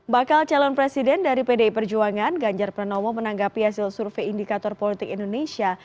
bakal calon presiden dari pdi perjuangan ganjar pranowo menanggapi hasil survei indikator politik indonesia